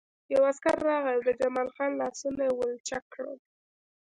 یو عسکر راغی او د جمال خان لاسونه یې ولچک کړل